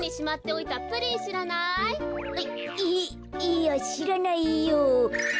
いいやしらないよ。